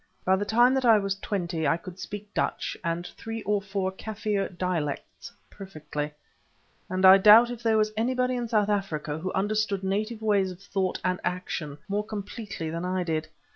By the time that I was twenty I could speak Dutch and three or four Kaffir dialects perfectly, and I doubt if there was anybody in South Africa who understood native ways of thought and action more completely than I did.